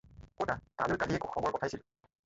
ক'তা! তালৈ কালিয়েই খবৰ পঠিয়ালোঁ।